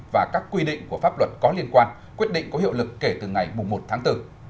và các quy định của pháp luật có liên quan quyết định có hiệu lực kể từ ngày một tháng bốn